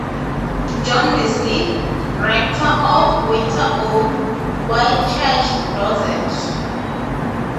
John Wesley, rector of Winterborne Whitechurch, Dorset.